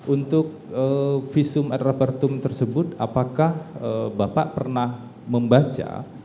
untuk visum et repertum tersebut apakah bapak pernah membaca